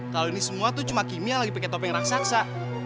kalau ini semua tuh cuma kim yang lagi pake topeng raksasa